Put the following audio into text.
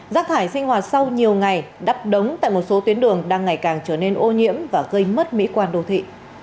rác thải sinh hoạt sau nhiều ngày đắp đống tại một số tuyến đường đang ngày càng trở nên ô nhiễm và gây mất mỹ quan đô thị